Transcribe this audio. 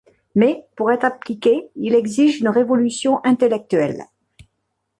Mais, pour être appliqué, il exige une révolution intellectuelle.